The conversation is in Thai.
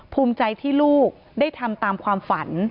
ภูมิใจที่ลูกได้ทำตามความฝัน